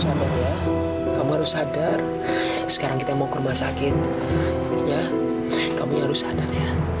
sadar ya kamu harus sadar sekarang kita mau ke rumah sakit ya kamu harus sadar ya